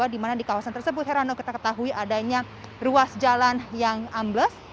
satu dua dua dimana di kawasan tersebut herano kita ketahui adanya ruas jalan yang ambles